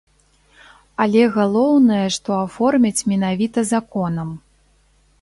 Але галоўнае, што аформяць менавіта законам.